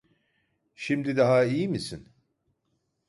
?imdi daha iyi misin?